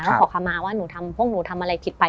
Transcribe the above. เขาขอคำมาว่าพวกหนูทำอะไรผิดไป